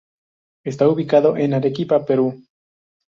Está ubicado en Arequipa, Perú.